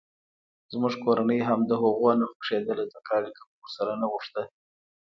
زموږ کورنۍ هم دهغو نه خوښېدله ځکه اړیکه مو ورسره نه غوښته.